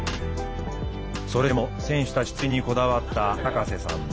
それでも選手たちの出演にこだわった高瀬さん。